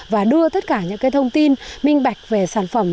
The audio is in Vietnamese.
và đưa tất cả những thông tin minh bạch về sản phẩm